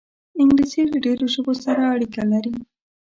انګلیسي له ډېرو ژبو سره اړیکه لري